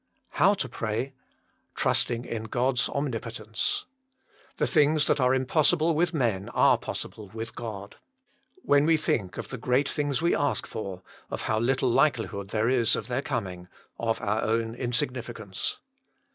now TO PRAT. tjnisiing in (Boil s dDmnipoicnre The things that are impossible with men are possible with God, When we think of the great things we ask for, of how little likelihood there is of their coming.of our own insignificance.